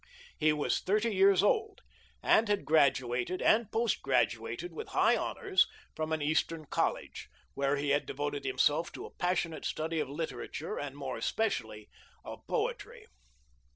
He was thirty years old, and had graduated and post graduated with high honours from an Eastern college, where he had devoted himself to a passionate study of literature, and, more especially, of poetry.